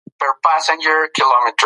که مورنۍ ژبه وي، نو پیچلتیا نه راځي.